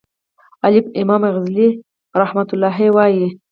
الف : امام غزالی رحمه الله وایی